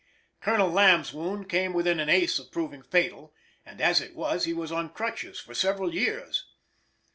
Colonel Lamb's wound came within an ace of proving fatal, and, as it was, he was on crutches for several years.